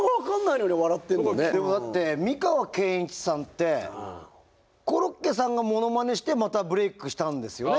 美川憲一さんってコロッケさんがモノマネしてまたブレークしたんですよね。